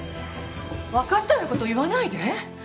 わかったような事言わないで。